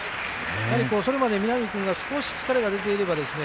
やはり、それまで南君が少し疲れが出ていればですね